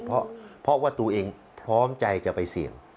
เพราะว่าตัวเองพร้อมใจจะไปเสี่ยง